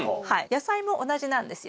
野菜も同じなんですよ。